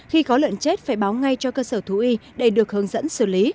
khi có lợn chết phải báo ngay cho cơ sở thú y để được hướng dẫn xử lý